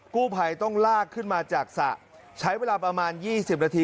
กู้ภัยต้องลากขึ้นมาจากสระใช้เวลาประมาณ๒๐นาที